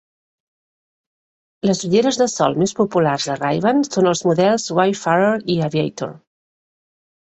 Les ulleres de sol més populars de Ray-Ban són els models "Wayfarer" i "Aviator".